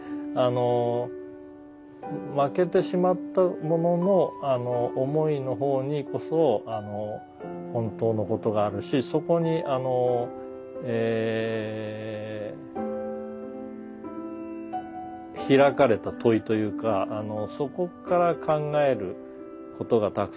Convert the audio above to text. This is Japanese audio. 負けてしまった者の思いの方にこそ本当のことがあるしそこにあの開かれた問いというかそこから考えることがたくさんある。